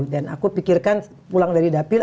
dan aku pikirkan pulang dari dapil